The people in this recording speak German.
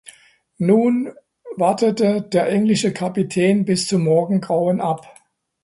Nun wartete der englische Kapitän bis zum Morgengrauen ab.